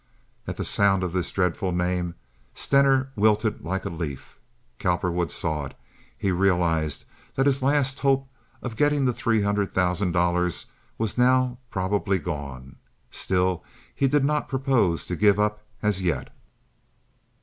At the sound of this dreadful name Stener wilted like a leaf. Cowperwood saw it. He realized that his last hope of getting the three hundred thousand dollars was now probably gone. Still he did not propose to give up as yet.